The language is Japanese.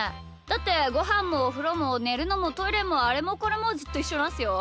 だってごはんもおふろもねるのもトイレもあれもこれもずっといっしょなんすよ。